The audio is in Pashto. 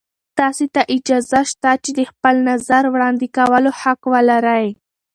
تاسې ته اجازه شته چې د خپل نظر وړاندې کولو حق ولرئ.